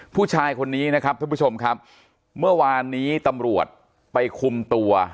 ผู้ชายคนนี้นะครับท่านผู้ชมครับเมื่อวานนี้ตำรวจไปคุมตัว